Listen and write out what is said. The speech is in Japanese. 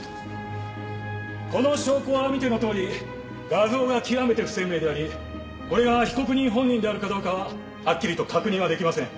この証拠は見てのとおり画像が極めて不鮮明でありこれが被告人本人であるかどうかははっきりと確認は出来ません。